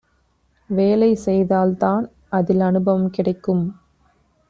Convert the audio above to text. வேலை செய்தால் தான் அதில் அனுபவம் கிடைக்கும்.